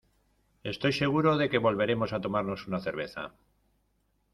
estoy seguro de que volveremos a tomarnos una cerveza